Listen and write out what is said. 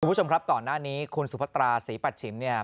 คุณผู้ชมครับก่อนหน้านี้คุณสุพัตราศรีปัชชิมเนี่ย